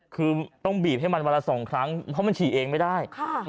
คือต้องบีบให้มันวันละ๒ครั้งเพราะมันฉี่เองไม่ได้